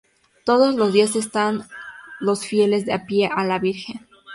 Todos los días están los fieles al pie de la Virgen.